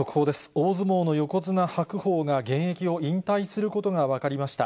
大相撲の横綱・白鵬が、現役を引退することが分かりました。